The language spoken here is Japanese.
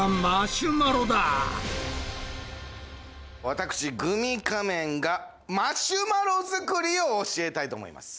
私グミ仮面がマシュマロ作りを教えたいと思います。